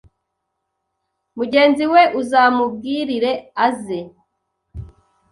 mugenziwe uzamubwirire aze